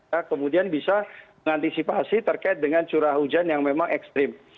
ya kemudian bisa mengantisipasi terkait dengan curah hujan yang memang ekstrim